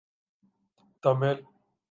Tamil